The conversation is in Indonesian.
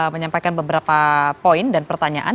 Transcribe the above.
menyampaikan beberapa poin dan pertanyaan